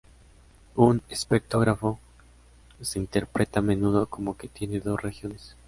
Un espectrógrafo se interpreta a menudo como que tiene dos regiones.